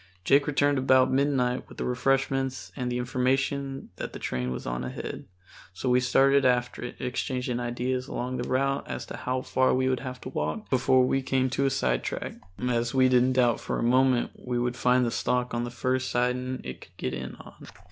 Jake returned about midnight with the refreshments and the information that the train was on ahead. So we started after it, exchanging ideas along the route as to how far we would have to walk before we came to a sidetrack, as we didn't doubt for a moment we would find the stock on the first siding it could get in on.